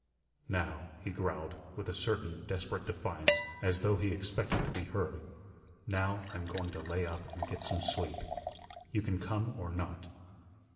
"Now," he growled, with a certain desperate defiance, as though he expected to be heard, "now, I'm going to lay up and get some sleep. You can come or not."